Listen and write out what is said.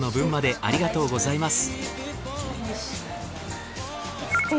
ありがとうございます。